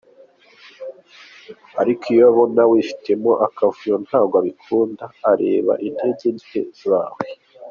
Ariko iyo abona wifitemo akavuyo ntago abikunda, areba intege nke zawe.